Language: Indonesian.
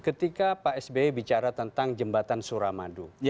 ketika pak sby bicara tentang jembatan suramadu